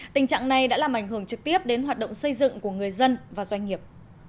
tình trạng này đã làm ảnh hưởng trực tiếp đến hoạt động xây dựng của người dân và doanh nghiệp